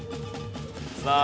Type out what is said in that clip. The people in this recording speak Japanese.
さあ